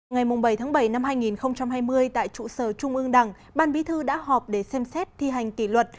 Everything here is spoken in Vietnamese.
ngày bảy bảy hai nghìn hai mươi tại trụ sở trung ương đảng ban bí thư đã họp để xem xét thi hành kỷ luật